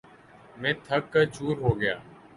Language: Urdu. میں تھک کر چُور ہوگیا